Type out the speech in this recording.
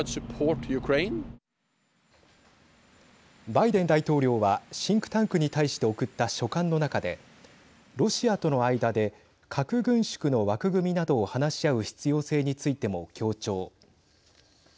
バイデン大統領はシンクタンクに対して送った書簡の中でロシアとの間で核軍縮の枠組みなどを話し合う必要性についても強調。